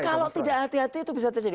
kalau tidak hati hati itu bisa terjadi